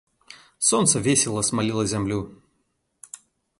Сонца весела смаліла зямлю.